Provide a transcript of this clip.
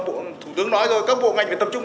thủ tướng nói rồi các bộ ngành phải tập trung